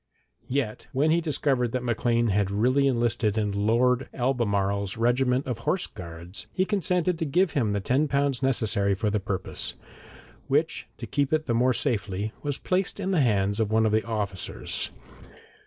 Yet when he discovered that Maclean had really enlisted in Lord Albemarle's regiment of horse guards, he consented to give him the ten pounds necessary for the purpose, which, to keep it the more safely, was placed in the hands of one of the officers.